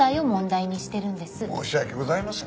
申し訳ございません。